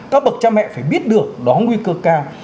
các bậc cha mẹ phải biết được đó nguy cơ cao